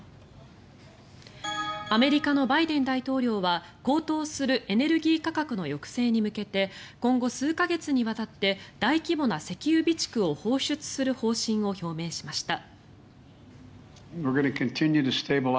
アメリカのバイデン大統領は高騰するエネルギー価格の抑制に向けて今後、数か月にわたって大規模な石油備蓄を放出する方針を表明しました。